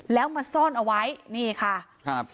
แล้วมาซ่อนเอาไว้นี่ค่ะครับ